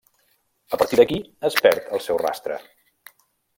A partir d'aquí es perd el seu rastre.